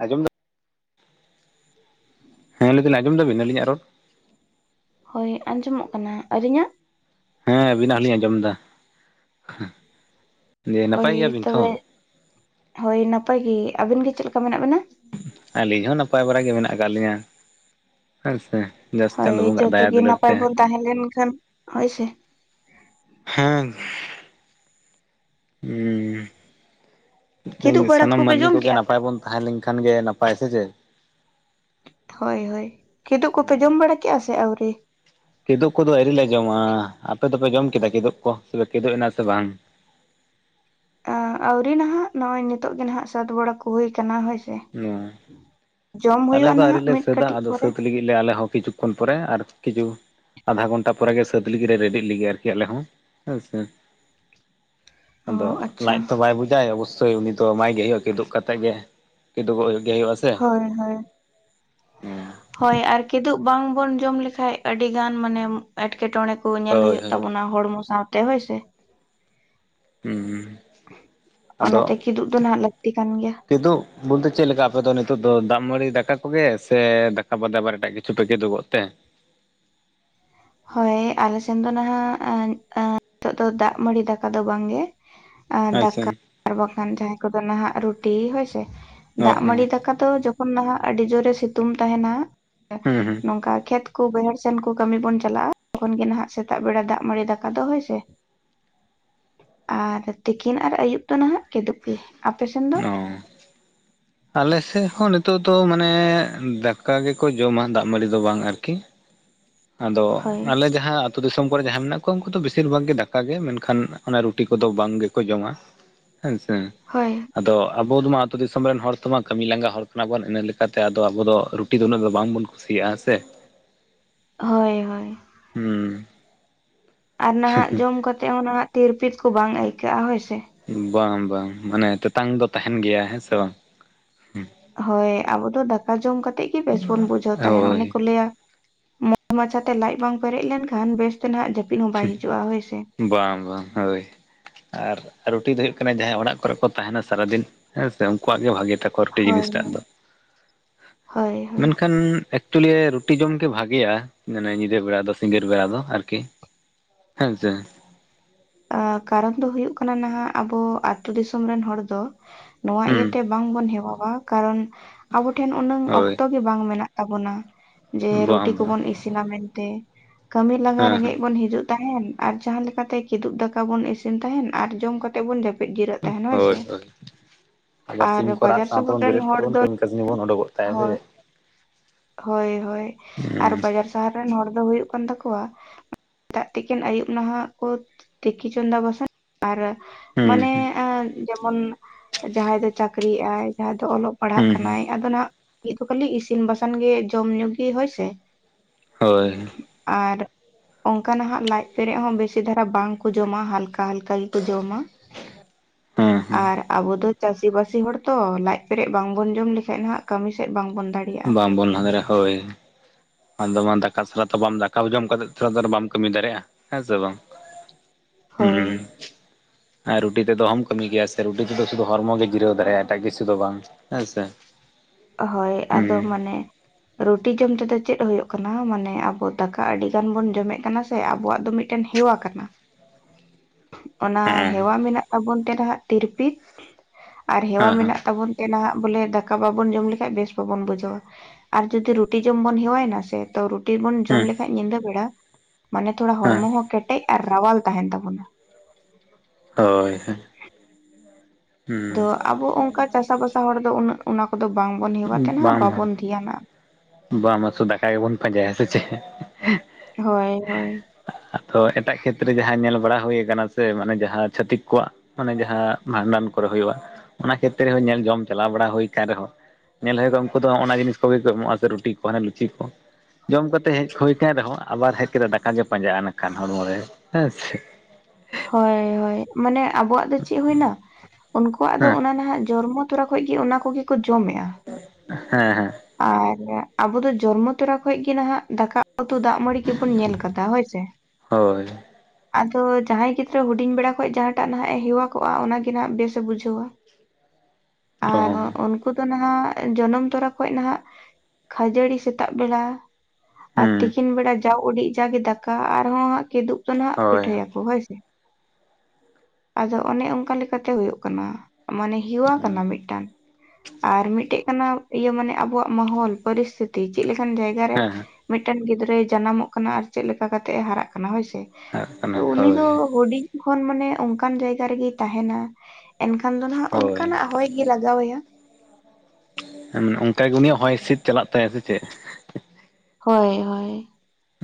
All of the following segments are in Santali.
ᱟᱸᱡᱚᱢ ᱫᱟᱢ [inaudible] ᱦᱮᱸ ᱞᱟᱹᱭ ᱫᱟᱞᱤᱧ ᱟᱸᱡᱚᱢ ᱫᱟᱵᱤᱱ ᱟᱞᱤᱧᱟᱜ ᱨᱚᱲ? ᱦᱳᱭ ᱟᱸᱡᱚᱢᱚᱜ ᱠᱟᱱᱟ, ᱟᱨ ᱤᱧᱟᱜ? ᱦᱮᱸ ᱟᱹᱵᱤᱱᱟ ᱦᱚᱸ ᱞᱤᱧ ᱟᱸᱡᱚᱢ ᱫᱟ ᱾ ᱦᱳᱭ ᱛᱚᱵᱮ ᱦᱳᱭ ᱱᱟᱯᱟᱭ ᱜᱮ, ᱟᱵᱤᱱ ᱜᱮ ᱪᱮᱫ ᱞᱮᱠᱟ ᱢᱮᱱᱟᱜ ᱵᱤᱱᱟ? ᱟᱹᱞᱤᱧ ᱦᱚᱸ ᱱᱟᱯᱟᱭ ᱵᱟᱲᱟ ᱜᱮ ᱢᱮᱱᱟᱜ ᱠᱟᱫ ᱞᱤᱧᱟᱹ ᱦᱩᱭ ᱥᱮ ᱾ ᱵᱮᱥ ᱦᱳᱭ ᱪᱟᱸᱫᱚ ᱵᱚᱸᱜᱟ ᱟᱜ ᱡᱚᱛᱚ ᱫᱟᱭᱟ ᱜᱮ ᱫᱩᱞᱟᱹᱲ ᱱᱟᱯᱟᱭ ᱛᱮ ᱵᱚᱱ ᱛᱟᱦᱮᱸ ᱞᱮᱱ ᱠᱷᱟᱱ ᱦᱳᱭ ᱥᱮ ᱦᱮᱸ, ᱦᱩᱸᱻ ᱠᱤᱫᱩᱵ ᱵᱟᱲᱟ ᱥᱟᱱᱟᱢ ᱠᱚᱯᱮ ᱢᱟᱹᱱᱢᱤ ᱡᱚᱢ ᱠᱚᱜᱮ ᱠᱮᱜᱼᱟ ᱱᱟᱯᱟᱭ ᱵᱚᱱ ᱛᱟᱦᱮᱸ ᱞᱮᱱᱠᱷᱟᱱ ᱜᱮ ᱱᱟᱯᱟᱭ ᱥᱮ ᱪᱮ? ᱦᱳᱭ ᱦᱳᱭ, ᱠᱤᱫᱩᱜ ᱠᱚᱯᱮ ᱡᱚᱢ ᱵᱟᱲᱟ ᱠᱮᱫᱼᱟ ᱥᱮ ᱟᱹᱣᱨᱤ? ᱠᱤᱫᱩᱜ ᱠᱚᱫᱚ ᱟᱣᱨᱤᱤᱞ ᱞᱮ ᱡᱚᱢᱟ, ᱟᱯᱮ ᱫᱚᱯᱮ ᱡᱚᱢ ᱠᱮᱫᱟ ᱠᱤᱫᱩᱵ ᱠᱚ ᱥᱮ ᱠᱤᱫᱩᱜ ᱮᱱᱟ ᱥᱮ ᱵᱟᱝ? ᱟᱹ ᱟᱹᱣᱨᱤ ᱱᱟᱦᱟᱜ ᱱᱚᱜᱼᱚᱭ ᱱᱤᱛᱚᱜ ᱜᱮ ᱱᱟᱦᱟᱜ ᱥᱟᱹᱛ ᱵᱟᱲᱟ ᱠᱚ ᱦᱩᱭ ᱟᱠᱟᱱᱟ ᱦᱳᱭ ᱥᱮ ᱾ ᱚᱸᱻ ᱟᱞᱮ ᱫᱚ ᱟᱣᱨᱤ ᱱᱟᱦᱟᱜ ᱞᱮ ᱢᱤᱫ ᱥᱟᱹᱛᱟ, ᱠᱟᱹᱴᱤᱡ ᱟᱫᱚ ᱯᱚᱨᱮ ᱥᱟᱹᱛ ᱞᱟᱹᱜᱤᱫ ᱞᱮ ᱟᱞᱮᱦᱚ ᱠᱤᱪᱷᱩ ᱠᱷᱚᱱ ᱯᱚᱨᱮ ᱟᱨ ᱠᱤᱪᱷᱩ ᱟᱫᱷᱟ ᱜᱷᱚᱱᱴᱟ ᱯᱚᱨᱮᱜᱮ ᱥᱟᱹᱛ ᱞᱟᱹᱜᱤᱫ ᱞᱮ ᱨᱮᱰᱤᱜ ᱞᱟᱹᱜᱤᱛ ᱟᱨᱠᱤ ᱟᱞᱮ ᱦᱚᱸ ᱦᱳᱭ ᱥᱮ ᱾ ᱟᱫᱚ ᱚ ᱟᱪᱪᱷᱟ ᱞᱟᱡ ᱛᱚ ᱵᱟᱭ ᱵᱩᱡᱟᱭ ᱚᱵᱚᱥ ᱥᱳᱭ ᱩᱱᱤ ᱛᱚ ᱮᱢᱟᱭ ᱜᱮ ᱦᱩᱭᱩᱜᱼᱟ ᱠᱮᱫᱳᱜ ᱠᱟᱛᱮᱜ ᱜᱮ ᱾ ᱠᱤᱫᱩᱵᱚᱜ ᱜᱮ ᱦᱩᱭᱩᱜᱼᱟ ᱥᱮ᱾ ᱦᱳᱭ ᱦᱳᱭ᱾ ᱦᱚᱸᱻ ᱦᱳᱭ ᱟᱨ ᱠᱤᱫᱩᱜ ᱵᱟᱝ ᱵᱚᱱ ᱡᱚᱢ ᱞᱮᱠᱟᱱ ᱟᱹᱰᱤ ᱜᱟᱱ ᱢᱟᱱᱮ ᱮᱴᱠᱮᱴᱚᱬᱮ ᱠᱚ ᱧᱮᱞ ᱦᱳᱭ ᱦᱩᱭᱩᱜ ᱦᱳᱭ ᱛᱟᱵᱚᱱᱟ ᱦᱚᱲᱢᱚ ᱥᱟᱶᱛᱮ ᱦᱳᱭ ᱥᱮ ᱾ ᱦᱩᱸ ᱟᱫᱚ ᱚᱱᱟᱛᱮ ᱠᱤᱫᱩᱵ ᱫᱚ ᱱᱟᱦᱟᱜ ᱞᱟᱹᱠᱛᱤ ᱠᱟᱱ ᱜᱮᱭᱟ ᱠᱮᱫᱩᱜ ᱡᱤᱥᱩ ᱫᱚ ᱪᱮᱫ ᱞᱮᱠᱟ ᱟᱯᱮ ᱫᱚ ᱱᱤᱛᱚᱜ ᱫᱚ ᱫᱟᱜ ᱢᱟᱹᱲᱤ ᱫᱟᱠᱟ ᱠᱚᱜᱮ ᱥᱮ ᱫᱟᱠᱟ ᱵᱟᱫᱮ ᱟᱵᱟᱨ ᱮᱴᱟᱜ ᱠᱤᱪᱷᱩ ᱯᱮ ᱠᱮᱫᱩᱜᱚᱜ ᱛᱮ? ᱦᱳᱭ ᱟᱞᱮᱥᱱ ᱫᱚ ᱱᱟᱦᱟᱜ [unintelligible] ᱱᱤᱛᱚᱜ ᱫᱚ ᱫᱟᱜ ᱢᱟᱹᱲᱤ ᱫᱟᱠᱟ ᱫᱚ ᱵᱟᱝ ᱜᱮ, ᱟᱪᱪᱷᱟ ᱫᱟᱠᱟ ᱟᱨ ᱵᱟᱝᱠᱷᱟᱱ ᱡᱟᱦᱟᱸᱭ ᱠᱚᱫᱚ ᱱᱟᱦᱟᱜ ᱨᱩᱴᱤ ᱦᱳᱭ ᱥᱮ ᱾ ᱚ ᱚ ᱫᱟᱜ ᱢᱟᱹᱲᱤ ᱦᱩᱸ ᱫᱟᱠᱟ ᱡᱚᱠᱷᱚᱱ ᱱᱟᱦᱟᱜ ᱟᱹᱰᱤ ᱡᱳᱨᱮ ᱥᱤᱛᱩᱝ ᱛᱟᱦᱮᱱᱟ ᱦᱩᱸ ᱱᱚᱝᱠᱟ ᱠᱷᱮᱛ ᱠᱚ ᱵᱟᱹᱭᱦᱟᱹᱲ ᱥᱮᱱ ᱠᱚ ᱠᱟᱹᱢᱤ ᱵᱚᱱ ᱪᱟᱞᱟᱜᱼᱟ ᱛᱚᱠᱷᱚᱱ ᱜᱮ ᱱᱟᱦᱟᱜ ᱥᱮᱛᱟᱜ ᱵᱮᱲᱟ ᱫᱟᱜ ᱢᱟᱹᱲᱤ ᱫᱟᱠᱟ ᱫᱚ ᱦᱳᱭ ᱥᱮ ᱾ ᱟᱨ ᱛᱤᱠᱤᱱ ᱟᱨ ᱟᱹᱭᱩᱵ ᱫᱚ ᱱᱟᱦᱟᱜ ᱠᱮᱫᱩᱵ ᱜᱮ ᱾ ᱚᱸᱻ ᱟᱞᱮ ᱥᱮᱫ ᱦᱚᱸ ᱱᱤᱛᱚᱜ ᱫᱚ ᱢᱟᱱᱮ ᱫᱟᱠᱟ ᱜᱮᱠᱚ ᱡᱚᱢᱟ, ᱫᱟᱜ ᱢᱟᱹᱲᱤ ᱫᱚ ᱵᱟᱝ ᱟᱨᱠᱤ ᱾ ᱟᱫᱚ ᱦᱳᱭ ᱟᱞᱮ ᱡᱟᱦᱟᱸ ᱟᱛᱳ ᱫᱤᱥᱚᱢ ᱠᱚᱨᱮ ᱡᱟᱦᱟᱸᱭ ᱢᱮᱱᱟᱜ ᱠᱚᱣᱟ ᱩᱱᱠᱩ ᱫᱚ ᱵᱮᱥᱤᱨ ᱵᱷᱟᱜᱽ ᱜᱮ ᱫᱟᱠᱟ ᱜᱮ ᱢᱮᱱᱠᱷᱟᱱ ᱚᱱᱟ ᱨᱩᱴᱤ ᱠᱚᱫᱚ ᱵᱟᱝ ᱜᱮᱠᱚ ᱡᱚᱢᱟ ᱾ ᱦᱳᱭ ᱥᱮ᱾ ᱦᱳᱭ᱾ ᱟᱫᱚ ᱟᱵᱚ ᱫᱚᱢᱟ ᱟᱹᱛᱩᱳ ᱫᱤᱥᱚᱢ ᱨᱮᱱ ᱦᱚᱲ ᱛᱮᱢᱟ ᱠᱟᱹᱢᱤ ᱞᱟᱸᱜᱟ ᱦᱚᱲ ᱠᱟᱱᱟ ᱵᱚᱱ ᱤᱱᱟᱹ ᱞᱮᱠᱟᱛᱮ ᱟᱫᱚ ᱟᱵᱚ ᱴᱤ ᱫᱚ ᱩᱱᱟᱹᱜ ᱫᱚ ᱵᱟᱝᱵᱚᱱ ᱠᱩᱥᱤᱭᱟᱜᱼᱟ ᱥᱮ᱾ ᱦᱳᱭ ᱦᱳᱭ᱾ ᱦᱩᱸ ᱟᱨ ᱱᱟᱦᱟᱜ ᱡᱚᱢ ᱠᱟᱛᱮ ᱦᱚᱸ ᱱᱟᱦᱟᱜ ᱛᱤᱨᱯᱤᱛ ᱠᱚ ᱵᱟᱝ ᱟᱹᱭᱠᱟᱹᱜᱼᱟ ᱦᱳᱭ ᱥᱮ᱾ ᱵᱟᱝ ᱵᱟᱝ, ᱢᱟᱱᱮ ᱛᱮᱛᱟᱝ ᱫᱚ ᱛᱟᱸᱦᱮᱱ ᱜᱮᱭᱟ ᱦᱮᱸ ᱥᱮ ᱵᱟᱝ? ᱦᱳᱭ ᱟᱵᱚ ᱫᱚ ᱫᱟᱠᱟ ᱡᱚᱢ ᱠᱟᱛᱮᱫ ᱜᱮ ᱵᱮᱥ ᱵᱚᱱ ᱵᱩᱡᱷᱟᱹᱣ ᱛᱟᱦᱮᱱ ᱦᱳᱭ ᱚᱱᱮ ᱠᱚ ᱞᱟᱹᱭᱟ ᱢᱟᱪᱷᱟᱛᱮ ᱞᱟᱡ ᱵᱟᱝ ᱯᱮᱨᱮᱡ ᱞᱮᱱᱠᱷᱟᱱ ᱵᱮᱥᱛᱮ ᱱᱟᱦᱟᱜ ᱡᱟᱹᱯᱤᱫ ᱦᱚᱸ ᱵᱟᱭ ᱦᱤᱡᱩᱜᱼᱟ ᱦᱳᱭ ᱥᱮ ᱵᱟᱝ ᱵᱟᱝ ᱦᱳᱭ ᱟᱨ ᱨᱩᱴᱤ ᱫᱚ ᱦᱩᱭᱩᱜ ᱠᱟᱱᱟ ᱡᱟᱦᱟᱸᱭ ᱚᱲᱟᱜ ᱠᱚᱨᱮ ᱠᱚ ᱛᱟᱦᱮᱱᱟ ᱥᱟᱨᱟᱫᱤᱱ ᱦᱮᱸ ᱥᱮ ᱩᱱᱠᱩᱣᱟᱜ ᱜᱮ ᱵᱷᱟᱜᱤ ᱨᱴᱤ ᱦᱳᱭ ᱡᱤᱱᱤᱥᱴᱟᱜ ᱫᱚ ᱦᱳᱭ ᱦᱳᱭ ᱢᱮᱱ ᱮᱠᱷᱟᱱ ᱮᱠᱪᱩᱞᱤ ᱨᱩᱴᱤ ᱡᱚᱢ ᱜᱮ ᱵᱷᱟᱜᱮᱭᱟ ᱢᱟᱱᱮ ᱧᱤᱫᱟᱹ ᱵᱮᱲᱟ ᱫᱚ ᱥᱤᱸᱜᱟᱹᱲ ᱵᱮᱲᱟ ᱫᱚ ᱟᱨᱠᱤ᱾ ᱦᱮᱸᱥᱮ ᱟ ᱠᱟᱨᱚᱱ ᱫᱚ ᱦᱩᱭᱩᱜ ᱠᱟᱱᱟ ᱱᱟᱦᱟᱜ ᱟᱵᱚ ᱟᱛᱳ ᱫᱤᱥᱚᱢ ᱨᱮᱱ ᱦᱚᱲ ᱫᱚ ᱱᱚᱣᱟ ᱦᱩᱸ ᱤᱭᱟᱹᱛᱮ ᱵᱟᱝ ᱵᱚᱱ ᱦᱮᱣᱟ-ᱟ ᱠᱟᱨᱚᱱ ᱟᱵᱚ ᱴᱷᱮᱱ ᱩᱱᱟᱹᱝ ᱦᱳᱭ ᱚᱠᱛᱚ ᱜᱮ ᱵᱟᱝ ᱢᱮᱱᱟᱜ ᱛᱟᱵᱚᱱᱟ ᱡᱮ ᱵᱟᱝ ᱨᱩᱴᱤ ᱵᱟᱝ ᱠᱚᱵᱩᱱ ᱤᱥᱤᱱᱟ ᱢᱮᱱᱛᱮ ᱠᱟᱹᱢᱤ ᱞᱟᱜᱟ ᱦᱮᱸ ᱦᱮᱸ ᱨᱮᱸᱜᱮᱡ ᱵᱚᱱ ᱦᱤᱡᱩᱜ ᱛᱟᱦᱮᱱ ᱟᱨ ᱡᱟᱦᱟᱸ ᱞᱮᱠᱟᱛᱮ ᱠᱤᱫᱩᱵ ᱫᱟᱠᱟ ᱵᱩᱱ ᱤᱥᱤᱱ ᱛᱟᱦᱮᱱ ᱟᱨ ᱡᱚᱢ ᱠᱟᱛᱮ ᱵᱚᱱ ᱡᱟᱹᱯᱤ ᱢᱤᱫ ᱡᱤᱨᱟᱜ ᱛᱟᱦᱮᱱᱟ ᱦᱚᱭ ᱦᱳᱭ ᱥᱮ ᱦᱳᱭ ᱟᱵᱟᱨ ᱟᱨ ᱥᱤᱢ ᱠᱚ ᱨᱟᱜ ᱵᱟᱡᱟᱨ ᱥᱟᱶ ᱥᱚᱦᱚᱨ ᱛᱮᱵᱚᱱ ᱨᱮᱱ ᱵᱮᱨᱮᱫ ᱦᱚᱲ ᱠᱟᱛᱮ ᱵᱚᱱ ᱫᱚ ᱠᱟᱹᱢᱤ ᱠᱟᱹᱥᱱᱤ ᱵᱚᱱ ᱩᱰᱩᱠᱚᱜ [inaudible] ᱛᱟᱭᱟ ᱥᱮ ᱦᱳᱭ ᱦᱳᱭ ᱦᱳᱭ ᱟᱨ ᱦᱩᱸ ᱵᱟᱡᱟᱨ ᱥᱟᱦᱟᱨ ᱨᱮᱱ ᱦᱚᱲ ᱫᱚ ᱦᱩᱭᱩᱜ ᱠᱟᱱ ᱛᱟᱠᱚᱣᱟ ᱥᱮᱛᱟᱜ ᱛᱤᱠᱤᱱ ᱟᱹᱭᱩᱵ ᱱᱟᱦᱟᱜ ᱠᱚ ᱛᱤᱠᱤ ᱪᱚᱸᱫᱟ ᱵᱟᱥᱟᱝ [inaudible] ᱟᱨ ᱦᱩᱸ ᱢᱟᱱᱮ ᱦᱩᱸ ᱡᱮᱢᱚᱱ ᱡᱟᱦᱟᱸᱭ ᱫᱚ ᱪᱟᱹᱠᱨᱤ ᱮᱭᱟᱭ ᱡᱟᱦᱟᱸᱭ ᱫᱚ ᱚᱞᱚᱜ ᱯᱟᱲᱦᱟᱜ ᱦᱩᱸ ᱦᱩᱸ ᱠᱟᱱᱟᱭ ᱟᱫᱚ ᱱᱟᱜ ᱢᱤᱫ ᱫᱚ ᱠᱷᱟᱹᱞᱤ ᱤᱥᱤᱱ ᱵᱟᱥᱟᱝ ᱜᱮ ᱡᱚᱢ ᱧᱩ ᱜᱮ ᱦᱳᱭ ᱥᱮ ᱦᱳᱭ ᱟᱨ ᱚᱱᱠᱟᱱᱟᱦᱟᱜ ᱞᱟᱡ ᱯᱮᱨᱮᱡ ᱦᱚᱸ ᱵᱮᱥᱤ ᱫᱷᱟᱨᱟ ᱵᱟᱝᱠᱚ ᱡᱚᱢᱟ ᱦᱟᱞᱠᱟ ᱦᱟᱞᱠᱟ ᱜᱮᱠᱚ ᱡᱚᱢᱟ ᱦᱩᱸ ᱦᱩᱸ ᱟᱨ ᱟᱵᱚ ᱫᱚ ᱪᱟᱹᱥᱤ ᱵᱟᱹᱥᱤ ᱦᱚᱲ ᱛᱚ ᱞᱟᱡ ᱯᱮᱨᱮᱡ ᱵᱟᱝᱵᱚᱱ ᱡᱚᱢ ᱞᱮᱠᱷᱟᱱᱡ ᱱᱟᱦᱟᱜ ᱠᱟᱹᱢᱤ ᱥᱮᱫ ᱵᱟᱝᱵᱚᱱ ᱫᱟᱲᱮᱭᱟᱜᱼᱟ᱾ ᱵᱟᱝᱵᱚᱱ ᱞᱟᱜᱟ ᱫᱟᱨᱮᱭᱟ ᱦᱳᱭ ᱟᱫᱚ ᱢᱟ ᱫᱟᱠᱟ ᱥᱟᱞᱟᱜ ᱛᱟ ᱵᱟᱢ ᱫᱟᱠᱟ ᱡᱚᱢ ᱠᱟᱛᱮ ᱛᱷᱚᱲᱟ ᱛᱚᱲᱟ ᱵᱟᱢ ᱠᱟᱹᱢᱤ ᱫᱟᱲᱮᱭᱟᱜᱼᱟ ᱦᱮᱸ ᱥᱮ ᱵᱟᱝ ᱦᱳᱭ ᱦᱩᱸ ᱟᱨ ᱨᱩᱴᱤ ᱛᱮᱫᱚ ᱚᱦᱚᱢ ᱠᱟᱹᱢᱤ ᱜᱮᱭᱟ ᱥᱮ ᱨᱩᱴᱤ ᱛᱮᱫᱚ ᱥᱩᱫᱩ ᱦᱚᱲᱢᱚ ᱜᱮ ᱡᱤᱨᱟᱹᱣ ᱫᱟᱲᱮᱭᱟᱜᱼᱟ ᱮᱴᱟᱜ ᱠᱤᱪᱷᱩ ᱫᱚ ᱵᱟᱝ ᱦᱮᱸ ᱥᱮ᱾ ᱦᱳᱭ ᱦᱩᱸ ᱟᱫᱚ ᱢᱟᱱᱮ ᱨᱩᱴᱤ ᱡᱚᱢ ᱛᱮᱫᱚ ᱪᱮᱫ ᱦᱩᱭᱩᱜ ᱠᱟᱱᱟ ᱢᱟᱱᱮ ᱟᱵᱚ ᱫᱟᱠᱟ ᱟᱹᱰᱤ ᱜᱟᱱ ᱵᱚᱱ ᱡᱚᱢᱮᱜ ᱠᱟᱱᱟ ᱥᱮ ᱟᱵᱚᱣᱟᱜ ᱫᱚ ᱢᱤᱫ ᱴᱟᱹᱱ ᱦᱮᱣᱟ ᱠᱟᱱᱟ ᱚᱱᱟ ᱦᱮᱸ ᱦᱮᱣᱟ ᱢᱮᱱᱟᱜ ᱛᱟᱵᱚᱱ ᱛᱮ ᱱᱟᱦᱟᱜ ᱛᱤᱨᱯᱤᱛ ᱟᱨ ᱦᱮᱣᱟ ᱦᱮᱸ ᱦᱮᱸ ᱢᱮᱱᱟᱜ ᱛᱟᱵᱩᱱ ᱱᱟᱦᱟᱜ ᱵᱚᱞᱮ ᱫᱟᱠᱟ ᱵᱟᱵᱚᱱ ᱡᱚᱢ ᱞᱮᱠᱷᱟᱱ ᱵᱮᱥ ᱵᱟᱵᱚᱱ ᱵᱩᱡᱷᱟᱹᱣ-ᱟ᱾ ᱟᱨ ᱡᱩᱫᱤ ᱨᱩᱴᱤ ᱡᱚᱢ ᱵᱚᱱ ᱦᱮᱣᱟᱮᱱᱟ ᱥᱮ ᱛᱚ ᱴᱤ ᱵᱩᱱ ᱡᱚᱢ ᱦᱮᱸ ᱞᱮᱠᱷᱟᱱ ᱧᱤᱫᱟᱹ ᱵᱮᱲᱟ ᱢᱟᱱᱮ ᱛᱷᱚᱲᱟ ᱦᱮᱸ ᱦᱚᱲᱢᱚ ᱦᱚᱸ ᱠᱮᱴᱮᱡ ᱟᱨ ᱨᱟᱣᱟᱞ ᱛᱟᱦᱮᱱ ᱛᱟᱵᱚᱱᱟ᱾ [inaudible] ᱦᱳᱭ ᱦᱩᱸ ᱟᱫᱚ ᱟᱵᱚ ᱚᱱᱠᱟ ᱪᱟᱥᱟ ᱵᱟᱥᱟ ᱦᱚᱲ ᱫᱚ ᱩᱱᱟᱹᱜ ᱚᱱᱟ ᱠᱚᱫᱚ ᱵᱟᱝᱵᱚᱱ ᱦᱮᱣᱟ ᱛᱮ ᱱᱟᱦᱟᱜ ᱵᱟᱝ ᱵᱟᱵᱚᱱ ᱫᱷᱮᱭᱟᱱᱟᱜ-ᱟ᱾ ᱵᱟᱝ ᱢᱟᱥᱩ ᱫᱟᱠᱟ ᱜᱮᱵᱚᱱ ᱯᱟᱸᱡᱟᱭ ᱥᱮ ᱪᱮ? ᱦᱳᱭ ᱦᱳᱭ ᱟᱫᱚ ᱮᱴᱟᱜ ᱠᱷᱮᱛᱨᱮ ᱡᱟᱦᱟᱸ ᱧᱮᱞ ᱵᱟᱲᱟ ᱦᱩᱭᱟᱠᱟᱱᱟ ᱥᱮ ᱢᱟᱱᱮ ᱡᱟᱦᱟᱸ ᱪᱷᱟᱹᱛᱤᱠ ᱠᱚᱣᱟᱜ ᱚᱱᱮ ᱡᱟᱦᱟᱸ ᱵᱷᱟᱸᱰᱟᱱ ᱠᱚᱨᱮ ᱦᱩᱭᱩᱜᱼᱟ ᱚᱱᱟ ᱠᱷᱮᱛᱨᱮ ᱨᱮᱦᱚᱸ ᱧᱮᱞ ᱡᱚᱢ ᱪᱟᱞᱟᱣ ᱵᱟᱲᱟ ᱦᱩᱭ ᱠᱟᱱ ᱨᱮᱦᱚᱸ ᱧᱮᱞ ᱦᱩᱭᱩᱜᱼᱟ ᱩᱱᱠᱩ ᱫᱚ ᱚᱱᱟ ᱡᱤᱱᱤᱥ ᱠᱚᱜᱮ ᱠᱚ ᱮᱢᱚᱜᱼᱟ ᱥᱮ ᱨᱩᱴᱤ ᱠᱚ ᱦᱟᱱᱮ ᱞᱩᱪᱤ ᱠᱚ? ᱡᱚᱢ ᱠᱟᱛᱮᱜ ᱦᱮᱡ ᱦᱩᱭ ᱠᱟᱱ ᱨᱮᱦᱚᱸ ᱟᱵᱟᱨ ᱦᱮᱡ ᱠᱟᱛᱮ ᱫᱟᱠᱟ ᱜᱮ ᱯᱟᱸᱡᱟᱜᱼᱟᱠᱷᱟᱱ ᱦᱚᱲᱢᱚ ᱨᱮ ᱦᱮᱸ ᱥᱮ᱾ ᱦᱳᱭ ᱦᱳᱭ ᱢᱟᱱᱮ ᱟᱵᱚᱣᱟᱜ ᱫᱚ ᱪᱮᱫ ᱦᱩᱭᱳᱱᱟ ᱩᱱᱠᱩᱣᱟᱜ ᱫᱚ ᱦᱮᱸ ᱚᱱᱟ ᱱᱟᱦᱟᱜ ᱡᱚᱨᱢᱚ ᱛᱚᱨᱟ ᱠᱷᱚᱡ ᱜᱮ ᱚᱱᱟ ᱠᱚᱜᱮ ᱠᱚ ᱡᱚᱢᱮᱫ ᱦᱮᱸ ᱦᱮᱸ ᱟᱨ ᱟᱵᱚ ᱫᱚ ᱡᱚᱱᱢᱚ ᱛᱚᱨᱟ ᱠᱷᱚᱡ ᱜᱮ ᱱᱟᱜ ᱫᱟᱠᱟ ᱩᱛᱩ ᱫᱟᱜ ᱢᱟᱹᱲᱤ ᱜᱮᱵᱚᱱ ᱧᱮᱞ ᱠᱟᱫᱟ ᱦᱳᱭᱥᱮ ᱦᱳᱭ ᱟᱫᱚ ᱡᱟᱦᱟᱭ ᱜᱤᱫᱨᱟᱹ ᱦᱩᱰᱤᱧ ᱵᱮᱲᱟ ᱠᱷᱚᱡ ᱡᱟᱦᱟᱸᱴᱟᱜ ᱱᱟᱜ ᱮ ᱦᱮᱣᱟ ᱠᱚᱜ-ᱟ ᱚᱱᱟ ᱜᱮ ᱱᱟᱦᱟᱜ ᱵᱮᱥᱮ ᱵᱩᱡᱷᱟᱹᱣ-ᱟ᱾ ᱚ ᱟᱨ ᱦᱚ ᱩᱱᱠᱩ ᱫᱚ ᱱᱟᱦᱟᱜ ᱡᱚᱱᱚᱢ ᱛᱚᱨᱟ ᱠᱷᱚᱡ ᱱᱟᱦᱟᱜ ᱠᱷᱟᱹᱡᱟᱹᱲᱤ ᱥᱮᱛᱟᱜ ᱵᱮᱲᱟ ᱟᱨ ᱦᱩᱸ ᱛᱤᱠᱤᱱ ᱵᱮᱲᱟ ᱡᱟᱣ ᱩᱰᱤ ᱡᱟᱜᱮ ᱫᱟᱠᱟ ᱟᱨᱦᱚᱸ ᱦᱟᱸᱜ ᱠᱤᱫᱩᱵ ᱱᱟᱦᱟᱜ ᱦᱳᱭ ᱯᱤᱴᱷᱟᱹᱭᱟᱠᱚ ᱦᱳᱭᱥᱮ᱾ ᱟᱫᱚ ᱚᱱᱮ ᱚᱱᱠᱟ ᱞᱮᱠᱟᱛᱮ ᱦᱩᱭᱩᱜ ᱠᱟᱱᱟ ᱢᱟᱱᱮ ᱦᱮᱣᱟ ᱠᱟᱱᱟ ᱢᱤᱫᱴᱟᱝ᱾ ᱟᱨ ᱢᱤᱫᱴᱮᱡ ᱠᱟᱱᱟ ᱤᱭᱟᱹ ᱢᱟᱱᱮ ᱟᱵᱚᱣᱟᱜ ᱢᱚᱦᱚᱞ, ᱯᱚᱨᱤᱥᱛᱷᱤᱛᱤ ᱪᱮᱫ ᱞᱮᱠᱟᱱ ᱡᱟᱭᱜᱟ ᱡᱟᱭᱜᱟ ᱨᱮ ᱦᱮᱸ ᱢᱤᱫᱴᱟᱝ ᱜᱤᱫᱽᱨᱟᱹᱭ ᱡᱟᱱᱟᱢᱚᱜ ᱠᱟᱱᱟ ᱟᱨ ᱪᱮᱫ ᱞᱮᱠᱟ ᱠᱟᱛᱮᱜ-ᱮ ᱦᱟᱨᱟᱜ ᱠᱟᱱᱟ ᱦᱳᱭᱥᱮ᱾ ᱟᱨᱟᱜ ᱠᱟᱱᱟ ᱦᱳᱭ᱾ ᱦᱩᱰᱤᱧ ᱠᱷᱚᱱ ᱢᱟᱱᱮ ᱚᱱᱠᱟᱱ ᱡᱟᱭᱜᱟ ᱨᱮᱜᱮ ᱛᱟᱦᱮᱱᱟ, ᱮᱱᱠᱷᱟᱱ ᱫᱚ ᱱᱟᱟᱜ ᱦᱳᱭ ᱚᱱᱠᱟᱱᱟᱜ ᱦᱚᱭ- ᱤᱭᱟᱹ ᱞᱟᱜᱟᱣ ᱟᱭᱟ᱾ ᱦᱮᱸ ᱚᱱᱠᱟ ᱜᱮ ᱩᱱᱤᱭᱟᱜ ᱦᱚᱭ ᱦᱤᱸᱥᱤᱫ ᱪᱟᱞᱟᱜ ᱛᱟᱭᱟ ᱥᱮ ᱪᱮᱫ? ᱦᱳᱭ ᱦᱳᱭ᱾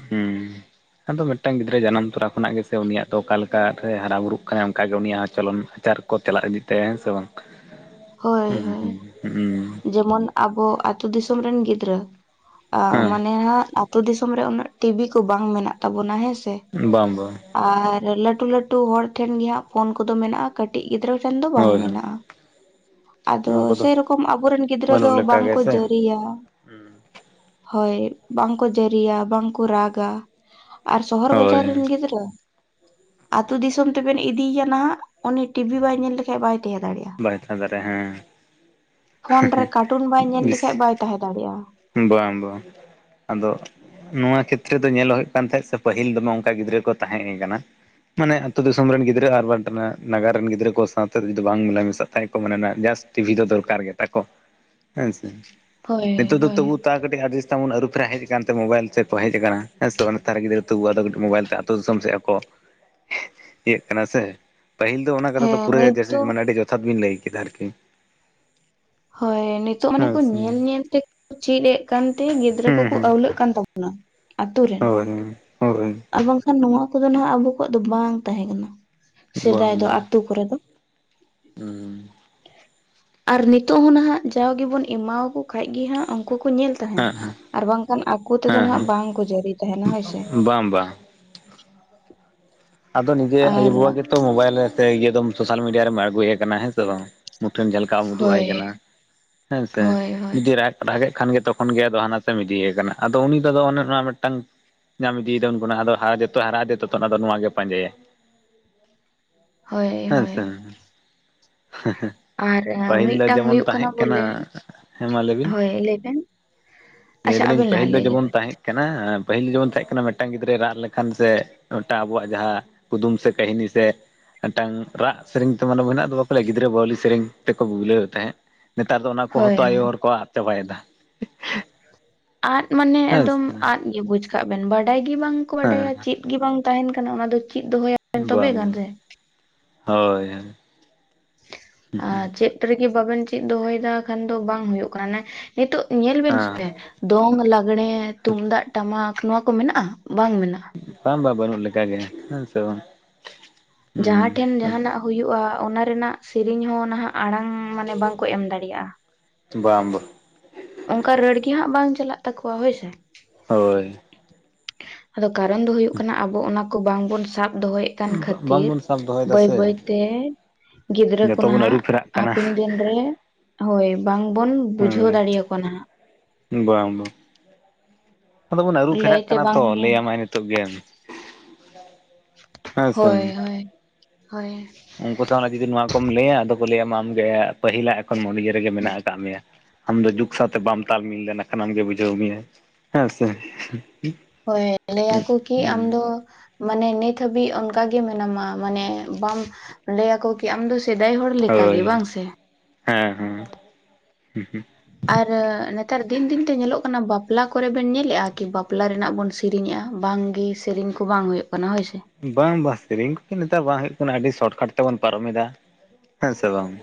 ᱦᱩᱸ᱾ ᱟᱫᱚ ᱢᱤᱫᱴᱟᱝ ᱜᱤᱫᱽᱨᱟᱹ ᱡᱟᱱᱟᱢ ᱛᱚᱨᱟ ᱠᱷᱚᱱᱟᱜ ᱜᱮ ᱥᱮ ᱩᱱᱤ ᱫᱚ ᱚᱠᱟ ᱞᱮᱠᱟ ᱨᱮ ᱦᱟᱨᱟ ᱵᱩᱨᱩᱜ ᱠᱟᱱᱟᱭ ᱚᱱᱠᱟ ᱜᱮ ᱩᱱᱤᱭᱟᱜ ᱦᱚᱸ ᱪᱚᱞᱚᱱ᱾ ᱟᱪᱟᱨ ᱠᱚ ᱛᱮᱞᱟ ᱤᱫᱤ ᱛᱟᱭᱟ ᱦᱮᱸ ᱥᱮ ᱵᱟᱝ᱾ ᱦᱳᱭ ᱦᱩᱸ ᱦᱳᱭ ᱦᱩᱸ ᱦᱩᱸ ᱡᱮᱢᱚᱱ ᱟᱵᱚ ᱟᱹᱛᱳ ᱫᱤᱥᱚᱢ ᱨᱮᱱ ᱜᱤᱫᱽᱨᱟᱹ ᱢᱟᱱᱮ ᱦᱮᱸ ᱦᱟᱸᱜ ᱟᱛᱳ ᱫᱤᱥᱚᱢ ᱨᱮ ᱩᱱᱟᱹᱜ ᱴᱤᱵᱤ ᱠᱚ ᱵᱟᱝ ᱢᱮᱱᱟᱜ ᱛᱟᱵᱚᱱᱟ ᱦᱮᱸ ᱥᱮ᱾ ᱵᱟᱝ ᱵᱟᱝ᱾ ᱟᱨ ᱞᱟᱹᱴᱩ ᱞᱟᱹᱴᱩ ᱦᱚᱲ ᱴᱷᱮᱱ ᱜᱮ ᱦᱟᱸᱜ ᱯᱷᱳᱱ ᱠᱚᱫᱚ ᱢᱮᱱᱟᱜ-ᱟ ᱠᱟᱹᱴᱤᱡ ᱜᱤᱫᱽᱨᱟᱹ ᱴᱷᱮᱱ ᱫᱚ ᱵᱟᱝ ᱦᱳᱭ ᱦᱳᱭ ᱢᱮᱱᱟᱜ-ᱟ᱾ ᱟᱫᱚ ᱱᱚᱣᱟ ᱠᱚᱫᱚ ᱥᱮᱨᱚᱠᱚᱢ ᱟᱵᱚᱨᱮᱱ ᱜᱤᱫᱽᱨᱟᱹ ᱫᱚ ᱵᱟᱝᱠᱚ ᱡᱟᱹᱨᱤᱭᱟ᱾ ᱦᱩᱸ᱾ ᱦᱳᱭ ᱵᱟᱝᱠᱚ ᱡᱟᱹᱨᱤᱭᱟ, ᱵᱟᱝᱠᱚ ᱨᱟᱜᱟ ᱟᱨ ᱥᱚᱦᱚᱨ ᱵᱟᱡᱟᱨ ᱦᱳᱭ ᱨᱮᱱ ᱜᱤᱫᱽᱨᱟᱹ᱾ ᱟᱛᱳ ᱫᱤᱥᱚᱢ ᱛᱮᱵᱮᱱ ᱤᱫᱤᱭᱭᱟ ᱱᱟᱦᱟᱜ ᱩᱱᱤ ᱴᱤᱵᱷᱤ ᱵᱟᱭ ᱧᱮᱞ ᱞᱮᱠᱷᱟᱱ ᱵᱟᱭ ᱛᱟᱦᱮᱸ ᱫᱟᱲᱮᱭᱟᱜ-ᱟ᱾ ᱵᱟᱭ ᱛᱟᱦᱮ ᱫᱟᱨᱮᱭᱟᱜ᱾ ᱯᱷᱳᱱ ᱨᱮ ᱠᱟᱨᱴᱩᱱ ᱵᱟᱭ ᱧᱮᱞ ᱵᱤᱥ ᱞᱮᱠᱷᱟᱡ ᱵᱟᱭ ᱛᱟᱦᱮᱸ ᱫᱟᱲᱮᱭᱟᱜ-ᱟ᱾ ᱵᱟᱝ ᱵᱟᱝ᱾ ᱟᱫᱚ ᱱᱚᱶᱟ ᱠᱷᱮᱛᱛᱨᱮ ᱫᱚ ᱧᱮᱞ ᱦᱳᱭᱳᱜ ᱠᱟᱱ ᱛᱟᱦᱮᱸᱫ ᱥᱮ ᱯᱟᱹᱦᱤᱞ ᱫᱚ ᱱᱚᱝᱠᱟ ᱜᱤᱫᱽᱨᱟᱹ ᱠᱚ ᱛᱟᱦᱮᱸᱭ ᱠᱟᱱᱟ᱾ ᱢᱟᱱᱮ ᱟᱹᱛᱩ ᱫᱤᱥᱚᱢ ᱨᱮᱱ ᱜᱤᱫᱽᱨᱟᱹ ᱟᱨ ᱵᱟᱝ [unintelligible] ᱱᱟᱜᱟᱨ ᱨᱮᱱ ᱜᱤᱫᱽᱨᱟᱹ ᱠᱚ ᱥᱟᱶᱛᱮ ᱡᱩᱫᱤ ᱵᱟᱝ ᱢᱮᱞᱟ ᱢᱮᱥᱟᱜ ᱛᱟᱦᱮᱜ ᱠᱚ ᱢᱟᱱᱮ ᱡᱟᱥᱴ᱾ ᱴᱤᱵᱷᱤ ᱫᱚ ᱫᱚᱨᱠᱟᱨ ᱜᱮᱛᱟ ᱠᱚ ᱦᱮᱸ ᱥᱮ᱾ ᱦᱳᱭ ᱱᱤᱛᱚᱜ ᱫᱚ ᱛᱚᱵᱩ ᱦᱳᱭ᱾ ᱛᱟ ᱠᱟᱹᱴᱤᱡ ᱟᱰᱤᱥᱛᱟᱢ ᱵᱚᱱ ᱟᱹᱨᱩ ᱯᱷᱮᱨᱟ ᱦᱮᱡ ᱟᱠᱟᱱᱛᱮ ᱢᱳᱵᱟᱭᱤᱞ ᱪᱮᱫ ᱠᱚ ᱦᱮᱡ ᱟᱠᱟᱱᱟ ᱦᱮᱸ ᱥᱮ ᱱᱮᱛᱟᱨ ᱜᱤᱫᱽᱨᱟᱹ ᱛᱳᱵᱩ ᱟᱫᱚ ᱠᱟᱹᱴᱤᱡ ᱢᱳᱵᱟᱭᱤᱞᱛᱮ ᱟᱹᱛᱩᱳ ᱫᱤᱥᱚᱢ ᱥᱮᱫ᱾ ᱠᱚ ᱤᱭᱟᱹᱜ ᱠᱟᱱᱟ ᱥᱮ᱾ ᱯᱟᱹᱦᱤᱞ ᱫᱚ ᱚᱱᱟ ᱠᱟᱛᱷᱟ ᱫᱚ ᱦᱮᱸ ᱯᱩᱨᱟᱹ ᱜᱮ ᱡᱟᱹ [unintelligible] ᱱᱤᱛᱚᱜ ᱢᱟᱱᱮ ᱟᱹᱰᱤ ᱡᱚᱛᱷᱟᱛ ᱵᱤᱱ ᱞᱟᱹᱭ ᱠᱮᱫᱟ ᱟᱨᱠᱤ᱾ ᱦᱳᱭ ᱱᱤᱛᱚᱜ ᱢᱟᱱᱮ ᱠᱚ ᱦᱮᱸ ᱥᱮ ᱧᱮᱞ ᱧᱮᱞ ᱛᱮ ᱪᱮᱫ ᱮᱫ ᱠᱟᱱᱛᱮ ᱜᱤᱫᱽᱨᱟᱹ ᱦᱩᱸ ᱠᱚᱠᱚ ᱦᱩᱸ ᱟᱹᱣᱞᱟᱹᱜ ᱠᱟᱱ ᱛᱟᱵᱚ᱾ ᱟᱛᱳ ᱨᱮᱱ᱾ ᱦᱳᱭ ᱦᱳᱭ ᱟᱨ ᱵᱟᱝᱠᱷᱟᱱ ᱱᱚᱣᱟ ᱠᱚᱫᱚ ᱱᱟᱦᱟᱜ ᱟᱵᱚ ᱠᱚᱣᱟᱜ ᱫᱚ ᱵᱟᱝ ᱛᱟᱦᱮᱸ ᱠᱟᱱᱟ᱾ ᱵᱟᱝ ᱥᱮᱫᱟᱭ ᱫᱚ ᱵᱟᱝ ᱟᱛᱳ ᱠᱚᱨᱮ ᱫᱚ᱾ ᱦᱩᱸ ᱟᱨ ᱱᱤᱛᱳᱜ ᱦᱚᱸ ᱱᱟᱦᱟᱜ ᱡᱟᱣ ᱜᱮᱵᱚᱱ ᱮᱢᱟᱣᱠᱚ ᱠᱷᱟᱡ ᱜᱮ ᱦᱟᱸᱜ ᱩᱱᱠᱩ ᱠᱚ ᱧᱮᱞ- ᱛᱟᱦᱮᱸᱱ, ᱦᱮᱸ ᱦᱮᱸ ᱟᱨ ᱵᱟᱝᱠᱷᱟᱱ ᱟᱠᱚ ᱛᱮᱫᱚ ᱦᱮᱸ ᱱᱟᱦᱟᱜ ᱵᱟᱝᱠᱚ ᱡᱟᱹᱨᱤ ᱛᱟᱦᱮᱸᱱᱟ ᱦᱳᱭ ᱥᱮ᱾ ᱦᱮᱸ ᱵᱟᱝ ᱵᱟᱝ᱾ ᱟᱫᱚ ᱱᱤᱡᱮ ᱟᱭᱩ ᱟᱨ ᱵᱟᱵᱟ ᱜᱮᱛᱚ ᱢᱳᱵᱟᱭᱤᱞ ᱥᱮ ᱤᱭᱟᱹᱫᱚᱢ ᱥᱳᱥᱟᱞ ᱢᱤᱰᱤᱭᱟ ᱨᱮᱢ ᱟᱲᱜᱩᱭᱮ ᱠᱟᱱᱟ ᱦᱮᱸ ᱥᱮ ᱵᱟᱝ? ᱢᱩᱴᱷᱟᱹᱱ ᱡᱟᱷᱟ ᱞᱮᱠᱟᱢ ᱩᱫᱩᱜ ᱟᱭ ᱦᱳᱭ ᱠᱟᱱᱟ ᱦᱮᱸᱥᱮ ᱦᱳᱭ ᱦᱳᱭ ᱡᱩᱫᱤ ᱨᱟᱜᱮᱫᱮᱫ ᱠᱷᱟᱱᱜᱮ ᱛᱚᱠᱷᱚᱱ ᱜᱮ ᱟᱫᱚ ᱦᱟᱱᱟᱛᱮᱢ ᱤᱫᱤᱭᱮ ᱠᱟᱱᱟ ᱟᱫᱚ ᱩᱱᱤ ᱫᱚ ᱚᱱᱮ ᱚᱱᱟ ᱢᱤᱫᱴᱟᱝ ᱧᱟᱢ ᱤᱫᱤᱭᱫᱟ ᱩᱱ ᱠᱦᱚᱱᱟᱜᱦᱟ ᱡᱚᱛᱚᱭ ᱦᱟᱨᱟᱜ-ᱟ ᱛᱚᱛᱚ ᱚᱱᱟᱫᱚ ᱱᱚᱣᱟᱜᱮ ᱯᱟᱸᱡᱟᱭᱟᱭ᱾ ᱦᱳᱭ ᱦᱳᱭ᱾ ᱦᱮᱸᱻ ᱟᱨ ᱯᱟᱹᱦᱤᱞ ᱫᱚ ᱢᱤᱫᱴᱟᱝ ᱡᱮᱢᱚᱱ ᱦᱩᱭᱩᱜ ᱛᱟᱦᱮᱸᱜ ᱠᱟᱱᱟ ᱵᱚᱞᱮ ᱦᱮᱸ ᱢᱟ ᱞᱮᱵᱤᱱ᱾ ᱦᱳᱭ ᱞᱟᱹᱭ ᱵᱮᱱ ᱞᱮ ᱟᱪᱪᱷᱟ ᱫᱟᱞᱤᱧ ᱟᱵᱮᱱ ᱞᱟᱦᱟ ᱯᱟᱹᱦᱤᱞ ᱫᱚ ᱞᱟᱹᱭ ᱡᱮᱢᱚᱱ ᱞᱮᱵᱮᱱ ᱛᱟᱦᱮᱸᱫ ᱠᱟᱱᱟ, ᱯᱟᱹᱦᱤᱞ ᱫᱚ ᱡᱮᱢᱚᱱ ᱛᱟᱦᱮᱸᱜ ᱠᱟᱱᱟ ᱢᱤᱫᱴᱟᱝ ᱜᱤᱫᱽᱨᱟᱹᱭ ᱨᱟᱜ ᱞᱮᱠᱷᱟᱱ ᱥᱮ ᱢᱤᱫᱴᱟᱝ ᱟᱵᱚᱣᱟᱜ ᱡᱟᱦᱟᱸ᱾ ᱠᱩᱫᱩᱢ ᱥᱮ ᱠᱟᱹᱦᱤᱱᱤ ᱥᱮ ᱢᱮᱫᱴᱟᱝ ᱨᱟᱜ ᱥᱮᱨᱮᱧ ᱛᱚ ᱢᱟᱱᱮ ᱢᱮᱱᱟᱜ ᱫᱚ᱾ ᱵᱚᱞᱮ ᱜᱤᱫᱽᱨᱟᱹ ᱵᱟᱹᱣᱞᱤ ᱥᱮᱨᱮᱧ ᱛᱮᱠᱚ ᱵᱩᱞᱟᱹᱣᱮ ᱛᱟᱦᱮᱸᱫ ᱱᱮᱛᱟᱨ ᱫᱚ ᱚᱱᱟ ᱠᱚ ᱦᱳᱭ ᱦᱚᱸᱛᱚ ᱟᱭᱳ ᱦᱳᱭ ᱦᱚᱲ ᱠᱚᱣᱟᱜ ᱪᱟᱵᱟᱭᱮᱫᱟ᱾ ᱟᱫ ᱢᱟᱱᱮ ᱦᱮᱸ ᱥᱮ ᱮᱠᱫᱚᱢ ᱟᱫ ᱜᱮ ᱵᱩᱡᱽ ᱠᱟᱜ ᱵᱮᱱ ᱵᱟᱰᱟᱭ ᱜᱮ ᱵᱟᱝ ᱠᱚ ᱦᱮᱸ ᱵᱟᱰᱟᱭᱟ ᱪᱮᱫ᱾ ᱜᱮ ᱵᱟᱝ ᱛᱟᱦᱮᱸᱱ ᱠᱟᱱᱟ ᱚᱱᱟ ᱫᱚ ᱪᱮᱫ ᱫᱚᱦᱚᱭᱟ ᱛᱚᱵᱮ ᱵᱟᱝ ᱜᱟᱱ ᱵᱟᱝ, ᱨᱮ ᱦᱳᱭ᱾ ᱟᱨ ᱪᱮᱫ ᱨᱮᱜᱮ ᱵᱟᱵᱮᱱ ᱪᱮᱫ ᱫᱚᱦᱚᱭᱮᱫᱟ ᱠᱷᱟᱱ ᱫᱚ ᱵᱟᱝ ᱦᱩᱭᱩᱜ ᱠᱟᱱᱟ ᱱᱮᱼᱼ ᱱᱤᱛᱚᱜ ᱧᱮᱞ ᱵᱮᱱ ᱥᱮ ᱦᱮᱸ ᱫᱚᱝ ᱞᱟᱜᱽᱲᱮᱸ ᱛᱩᱢᱫᱟᱜ ᱴᱟᱢᱟᱠ᱾ ᱱᱚᱣᱟ ᱠᱚ ᱢᱮᱱᱟᱜᱼᱟ? ᱵᱟᱝ ᱢᱮᱱᱟᱜᱼᱟ᱾ ᱵᱟᱝ ᱵᱟ ᱵᱟᱹᱱᱩᱜ ᱞᱮᱠᱟᱜᱮ᱾ ᱦᱮᱸ ᱥᱮ ᱵᱟᱝ? ᱦᱩᱸ ᱡᱟᱦᱟᱸ ᱴᱷᱮᱱ ᱡᱟᱦᱟᱸᱱᱟᱜ ᱦᱩᱭᱩᱜᱼᱟ ᱚᱱᱟ ᱨᱮᱱᱟᱜ ᱥᱮᱨᱮᱧ ᱦᱚᱸ ᱱᱟᱦᱟᱜ ᱟᱲᱟᱝ ᱢᱟᱱᱮ ᱵᱟᱝᱠᱚ ᱮᱢ ᱫᱟᱲᱮᱭᱟᱜᱼᱟ᱾ ᱵᱟᱝ ᱵᱟ ᱚᱱᱠᱟ ᱨᱟᱹᱲᱜᱮ ᱦᱟᱸᱜ ᱵᱟᱝ ᱪᱟᱞᱟᱜ ᱛᱟᱠᱚᱣᱟ ᱦᱳᱭ ᱥᱮ᱾ ᱦᱳᱭ᱾ ᱟᱫᱚ ᱠᱟᱨᱚᱱ ᱫᱚ ᱦᱩᱭᱩᱜ ᱠᱟᱱᱟ ᱟᱵᱚ ᱚᱱᱟ ᱠᱚ ᱵᱟᱝᱵᱚᱱ ᱥᱟᱵ ᱫᱚᱦᱚᱭᱮᱫ᱾ ᱠᱷᱟᱹᱛᱤᱨ ᱵᱟᱝᱵᱚᱱ ᱥᱟᱵ ᱫᱚᱦᱚᱭᱮᱫᱟ ᱵᱟᱹᱭ ᱥᱮ ᱵᱟᱹᱭᱛᱮ ᱜᱤᱫᱽᱨᱟᱹ ᱡᱚᱛᱚ ᱵᱚᱱ ᱠᱚᱱᱟᱦᱟᱜ ᱟᱹᱨᱩ ᱯᱷᱮᱨᱟᱜ ᱠᱟᱱᱟ ᱦᱟᱯᱤᱱ ᱫᱤᱱᱼᱼ [unintelligible] ᱦᱳᱭ, ᱵᱟᱝᱵᱚᱱ ᱵᱩᱡᱷᱟᱹᱣ ᱦᱮᱸ ᱫᱟᱲᱮᱭᱟᱠᱚᱣᱟ ᱱᱟᱦᱟᱜ᱾ ᱵᱟᱝ ᱵᱟᱝ᱾ ᱟᱫᱚ ᱵᱚᱱ ᱟᱹᱨᱩ ᱯᱷᱮᱨᱟᱜ ᱞᱟᱹᱭᱛᱮ ᱠᱟᱱᱟ ᱛᱚ ᱵᱟᱝᱵᱚᱱ ᱞᱟᱹᱭᱟᱢᱟᱭ ᱱᱤᱛᱚᱜ ᱜᱮ᱾ ᱦᱮᱸ ᱥᱮ ᱦᱳᱭ ᱦᱳᱭ, ᱦᱳᱭ᱾ ᱩᱱᱠᱩ ᱥᱟᱶ ᱟᱨ ᱡᱩᱫᱤ ᱱᱚᱣᱟ ᱠᱚᱢ ᱞᱟᱹᱭᱟ ᱟᱫᱚ ᱠᱚ ᱞᱟᱹᱭᱟ ᱟᱢᱜᱮ ᱯᱟᱹᱦᱤᱞᱟᱜ ᱮᱠᱷᱚᱱ ᱢᱚᱱᱤᱭᱟᱹ ᱨᱮᱜᱮ ᱢᱮᱱᱟᱜ ᱟᱠᱟᱫ ᱢᱮᱭᱟ᱾ ᱟᱢ ᱫᱚ ᱡᱩᱜᱽ ᱥᱟᱶᱛᱮ ᱵᱟᱢ ᱛᱟᱞᱢᱤᱞ ᱞᱮᱱ ᱠᱷᱟᱱ ᱟᱢ ᱜᱮ ᱵᱩᱡᱷᱟᱹᱣ ᱢᱮᱭᱟ᱾ ᱦᱮᱸ ᱥᱮ? ᱦᱳᱭ, ᱞᱟᱹᱭᱟᱠᱚ ᱠᱤ ᱟᱢᱫᱚ ᱢᱟᱱᱮ ᱱᱤᱛ ᱦᱟᱹᱵᱤᱡ ᱚᱱᱠᱟᱜ ᱜᱮ ᱢᱮᱱᱟᱢᱟ, ᱢᱟᱱᱮ ᱵᱟᱢ ᱞᱟᱹᱭ ᱟᱠᱚ ᱟᱢ ᱫᱚ ᱥᱮᱫᱟᱭ ᱦᱚᱲ ᱞᱮᱠᱟ ᱜᱮ ᱦᱳᱭ ᱵᱟᱝ ᱥᱮ? ᱦᱮᱸ ᱦᱩᱸ, ᱦᱸ ᱦᱸ᱾ ᱟᱨ ᱱᱮᱛᱟᱨ ᱫᱤᱱ ᱫᱤᱱ ᱛᱮ ᱧᱮᱞᱚᱜ ᱠᱟᱱᱟ ᱵᱟᱯᱞᱟ ᱠᱚᱨᱮ ᱵᱮᱱ ᱧᱮᱞᱮᱜᱼᱟ, ᱠᱤ ᱵᱟᱯᱞᱟ ᱨᱮᱱᱟᱜ ᱵᱚᱱ ᱥᱤᱼᱼ ᱥᱮᱨᱮᱧᱮᱜᱼᱟ? ᱵᱟᱝ ᱜᱮ, ᱥᱮᱨᱮᱧ ᱠᱚ ᱵᱟᱝ ᱦᱩᱭᱩᱜ ᱠᱟᱱᱟ ᱦᱳᱭ ᱥᱮ᱾ ᱵᱟᱝ ᱵᱟ ᱥᱮᱨᱮᱧ ᱠᱚᱜᱮ ᱱᱮᱛᱟᱨ ᱵᱟᱝ ᱦᱩᱭᱩᱜ ᱠᱟᱱᱟ ᱟᱹᱰᱤ ᱥᱚᱴᱠᱟᱴ ᱛᱮᱵᱚᱱ ᱯᱟᱨᱚᱢ ᱮᱫᱟ᱾ ᱦᱮᱸ ᱥᱮ ᱵᱟᱝ?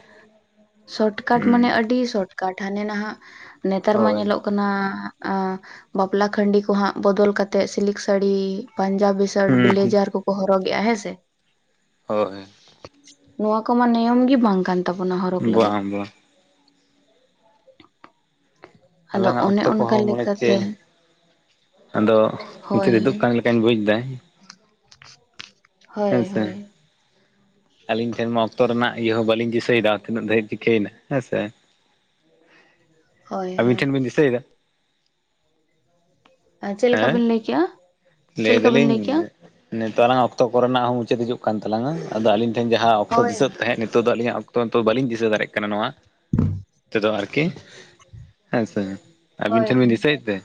ᱥᱚᱴᱠᱟᱴ ᱢᱟᱱᱮ ᱦᱩᱸ ᱟᱹᱰᱤ ᱥᱚᱴᱠᱟᱴ ᱦᱟᱱᱮ ᱱᱟᱦᱟᱜ ᱱᱮᱛᱟᱨ ᱢᱟ ᱦᱳᱭ ᱧᱮᱞᱚᱜ ᱠᱟᱱᱟ, ᱟᱸ ᱵᱟᱯᱞᱟ ᱠᱷᱟᱸᱰᱤ ᱠᱚᱦᱟᱸᱜ ᱵᱚᱫᱚᱞ ᱠᱟᱛᱮᱜ ᱥᱤᱞᱤᱠ ᱥᱟᱹᱲᱤ ᱯᱟᱧᱡᱟᱵᱤ ᱥᱟᱼᱼ ᱥᱟᱨᱴ ᱦᱩᱸ ᱵᱞᱮᱡᱟᱨ ᱠᱚᱠᱚ ᱦᱚᱨᱚᱜᱮᱼᱟ ᱦᱮᱸ ᱥᱮ? ᱦᱳᱭ᱾ ᱱᱚᱣᱟ ᱠᱚᱢᱟ ᱱᱤᱭᱚᱢ ᱜᱮ ᱵᱟᱝ ᱠᱟᱱ ᱛᱟᱵᱚᱱᱟ ᱦᱚᱜᱼᱼ ᱵᱟᱝ ᱵᱟᱝ᱾ ᱟᱫᱚ ᱟᱞᱟᱝᱟᱜ ᱚᱱᱮ ᱚᱠᱛᱚ ᱚᱱᱠᱟ ᱠᱚᱦᱚᱸ ᱢᱚᱱᱮ ᱪᱮ ᱞᱮᱠᱟᱛᱮ᱾ ᱟᱫᱚ, ᱤᱱᱠᱟᱹ ᱦᱳᱭ ᱛᱮᱫᱚ ᱚᱠᱟ ᱞᱮᱠᱟᱧ ᱵᱩᱡᱽ ᱫᱟ᱾ ᱦᱳᱭ ᱥᱮ ᱦᱳᱭ᱾ ᱟᱹᱞᱤᱧ ᱴᱷᱮᱱ ᱢᱟ ᱚᱠᱛᱚ ᱨᱮᱱᱟᱜ ᱤᱭᱟᱹ ᱦᱚᱸ ᱵᱟᱹᱞᱤᱧ ᱫᱤᱥᱟᱹᱭᱮᱫᱟ ᱛᱤᱱᱟᱹᱜ ᱫᱷᱟᱨᱤᱡ ᱪᱤᱠᱟᱹᱭᱮᱱᱟ ᱦᱮᱸ ᱥᱮ? ᱦᱳᱭ ᱟᱹᱵᱤᱱ ᱦᱳᱭ ᱴᱷᱮᱱ ᱵᱤᱱ ᱫᱤᱥᱟᱹᱭᱮᱫᱟ? ᱟᱨ ᱪᱮᱫ ᱞᱮᱠᱟ ᱦᱮᱸ, ᱵᱤᱱ ᱞᱟᱹᱭ ᱠᱮᱜᱼᱟ ᱪᱮᱫ ᱞᱟᱹᱭ ᱞᱮᱠᱟ ᱵᱤᱱ ᱠᱮᱜᱼᱟ? ᱫᱟᱞᱤᱧ ᱱᱤᱛᱚᱜ ᱟᱞᱟᱝᱟᱜ ᱚᱠᱛᱚ ᱠᱚᱨᱮᱱᱟᱜ ᱦᱚᱸ ᱢᱩᱪᱟᱹᱫ ᱦᱤᱡᱩᱜ ᱠᱟᱱ ᱛᱟᱞᱟᱝᱟ ᱟᱫᱚ ᱟᱹᱞᱤᱧ ᱡᱟᱦᱟᱸ ᱚᱠᱛᱚ ᱦᱳᱭ ᱫᱤᱥᱟᱹᱜ ᱛᱟᱦᱮᱸᱜ ᱱᱤᱛᱚᱜ ᱫᱚ ᱟᱹᱞᱤᱧᱟᱜ ᱚᱠᱛᱚ ᱫᱚ ᱵᱟᱹᱞᱤᱧ ᱫᱤᱥᱟᱹ ᱫᱟᱲᱮᱜ ᱠᱟᱱᱟ ᱱᱚᱣᱟ᱾ ᱛᱮᱫᱚ ᱟᱨᱠᱤ, ᱦᱮᱸᱥᱮ, ᱟᱹᱵᱤᱱ ᱦᱳᱭ ᱴᱷᱮᱱ ᱦᱳᱭ ᱵᱤᱱ ᱫᱤᱥᱟᱹᱭᱮᱫ ᱛᱮ?